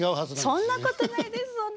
そんなことないです。